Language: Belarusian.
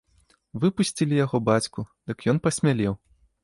Выпусцілі яго бацьку, дык ён пасмялеў.